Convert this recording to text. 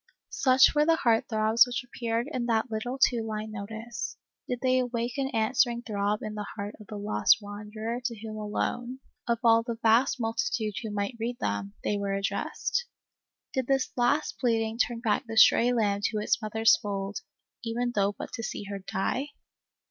Such were the heart throbs which appeared in that little two line notice. Did they awake an answering throb in the heart of the lost wanderer to whom alone, of all the vast multitude who might read them, they were addressed ? Did this last pleading turn back the stray lamb to its mother's fold, even though but to see her die